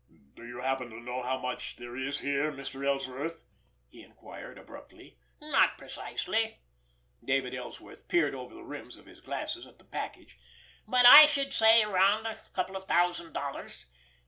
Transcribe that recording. "Do you happen to know how much there is here, Mr. Ellsworth?" he inquired abruptly. "Not precisely"—David Ellsworth peered over the rims of his glasses at the package—"but I should say around a couple of thousand dollars.